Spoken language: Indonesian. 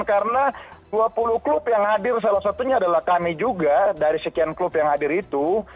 karena dua puluh klub yang hadir salah satunya adalah kami juga dari sekian klub yang hadir itu